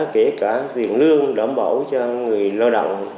kể cả tiền lương đảm bảo cho người lao động